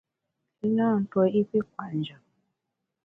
I na ntuo i pi kwet njap.